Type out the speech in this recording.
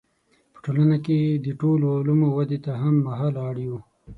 په ټولنه کې د ټولو علومو ودې ته هم مهاله اړ یو.